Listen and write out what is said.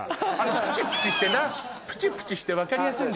プチプチしてなプチプチして分かりやすいんだよな。